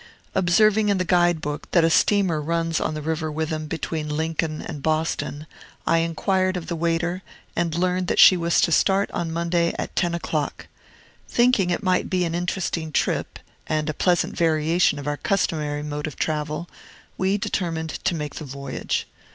Observing in the Guide Book that a steamer runs on the river Witham between Lincoln and Boston, I inquired of the waiter, and learned that she was to start on Monday at ten o'clock. Thinking it might be an interesting trip, and a pleasant variation of our customary mode of travel, we determined to make the voyage.